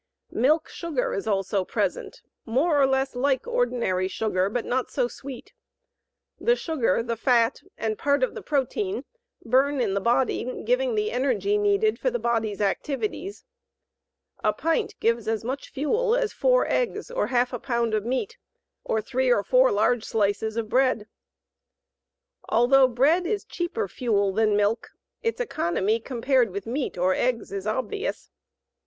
Milk sugar is also present, more or less like ordinary sugar, but not so sweet. The sugar, the fat, and part of the protein burn in the body, giving the energy needed for the body's activities. A pint gives as much fuel as 4 eggs, or half a pound of meat, or 3 or 4 large slices of bread. Although bread is cheaper fuel than milk, its economy compared with meat or eggs is obvious.